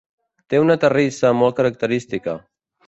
Té una terrissa molt característica.